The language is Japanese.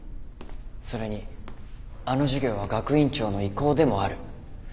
それにあの授業は学院長の意向でもある。